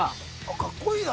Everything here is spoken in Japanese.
かっこいいな！